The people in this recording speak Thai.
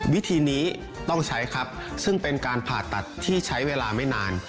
วิธีนี้ต้องใช้ครับซึ่งเป็นการผ่าตัดที่ใช้เวลาไม่นาน